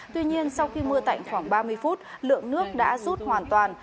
tuy nhiên sau khi mưa tạnh khoảng ba mươi phút lượng nước đã rút hoàn toàn